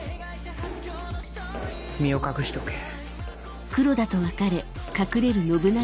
身を隠しておけ。